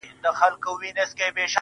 د هغه ورځي څه مي.